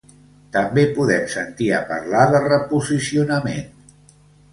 També podem sentir a parlar de reposicionament.